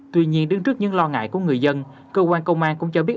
tuy nhiên đứng trước những lo ngại của người dân cơ quan công an cũng cho biết